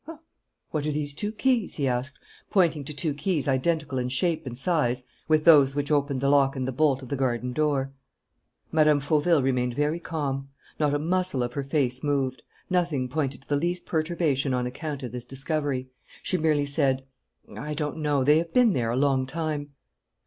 "What are these two keys?" he asked, pointing to two keys identical in shape and size with those which opened the lock and the bolt of the garden door. Mme. Fauville remained very calm. Not a muscle of her face moved. Nothing pointed to the least perturbation on account of this discovery. She merely said: "I don't know. They have been there a long time."